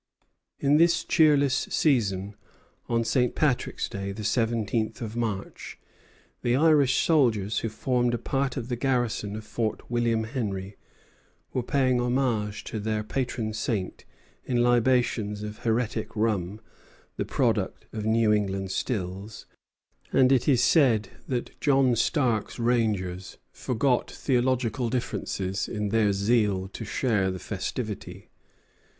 In this cheerless season, on St. Patrick's Day, the seventeenth of March, the Irish soldiers who formed a part of the garrison of Fort William Henry were paying homage to their patron saint in libations of heretic rum, the product of New England stills; and it is said that John Stark's rangers forgot theological differences in their zeal to share the festivity.